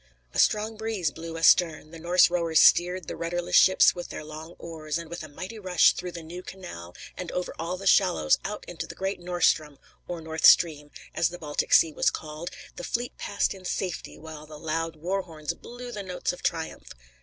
A strong breeze blew astern; the Norse rowers steered the rudderless ships with their long oars, and with a mighty rush, through the new canal and over all the shallows, out into the great Norrstrom, or North Stream, as the Baltic Sea was called, the fleet passed in safety while the loud war horns blew the notes of triumph.